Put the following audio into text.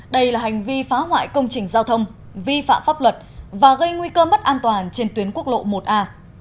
đây là hành vi phá hoại công trình giao thông vi phạm pháp luật và gây nguy cơ mất an toàn trên tuyến quốc lộ một a